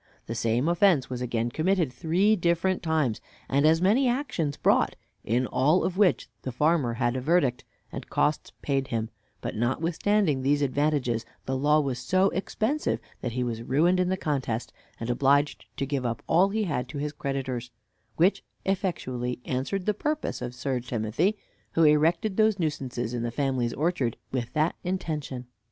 The same offense was again committed three different times, and as many actions brought, in all of which the farmer had a verdict, and costs paid him; but notwithstanding these advantages, the law was so expensive, that he was ruined in the contest, and obliged to give up all he had to his creditors; which effectually answered the purpose of Sir Timothy, who erected those nuisances in the farmer's orchard with that intention.